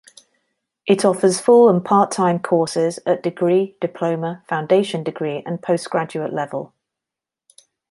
It offers full and part-time courses at degree, diploma, foundation degree and postgraduate level.